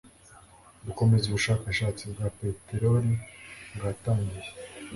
gukomeza ubushakashatsi bwa peteroli bwatangiye